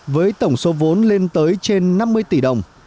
với tổng số vốn lên tới trên năm mươi tỷ đồng